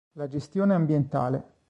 La gestione ambientale.